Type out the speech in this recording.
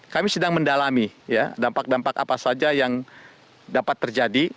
kami sedang mendalami dampak dampak apa saja yang dapat terjadi